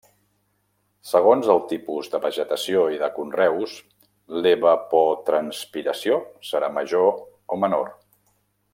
Segons els tipus de vegetació i de conreus l'evapotranspiració serà major o menor.